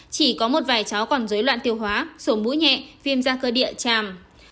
chỉ có một vài cháu còn dối loạn tiêu hóa sổ mũ nhẹ phim ra cơ địa chàm